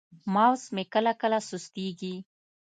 ماوس مې کله کله سستېږي.